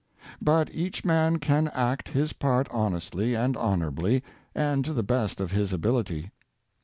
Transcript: But each man can act his part honestly and honorably, and to the best of his ability.